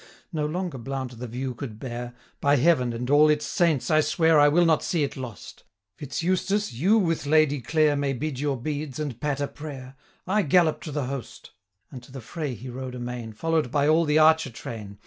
No longer Blount the view could bear: 'By Heaven, and all its saints! I swear 820 I will not see it lost! Fitz Eustace, you with Lady Clare May bid your beads, and patter prayer, I gallop to the host.' And to the fray he rode amain, 825 Follow'd by all the archer train.